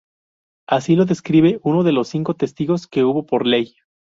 Así lo describe uno de los cinco testigos que hubo por ley.